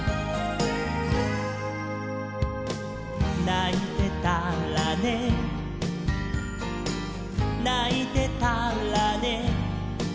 「ないてたらねないてたらね」